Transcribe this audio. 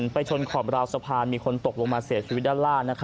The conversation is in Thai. ไปชนขอบราวสะพานมีคนตกลงมาเสียชีวิตด้านล่าง